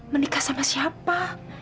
menikah sama siapa